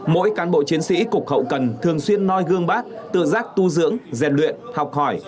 mỗi cán bộ chiến sĩ cục hậu cần thường xuyên noi gương bác tự giác tu dưỡng rèn luyện học hỏi